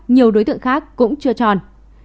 nhiều đối tượng khác cũng chưa tròn